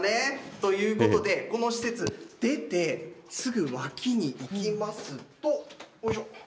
ということでこの施設、出てすぐ脇に行きますと、よいしょ。